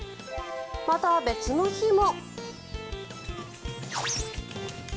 また、別の日も。